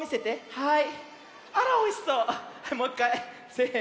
はい。